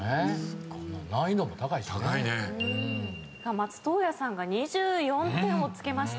松任谷さんが２４点をつけました。